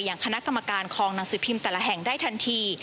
อย่างคณะกรรมการของหนังสือพิมพ์แต่ละแห่งได้ทันที